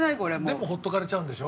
でもほっとかれちゃうんでしょ？